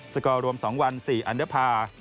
กอร์รวม๒วัน๔อันเดอร์พาร์